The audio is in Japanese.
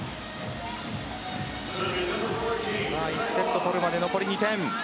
１セット取るまで残り２点。